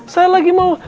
saya lagi mau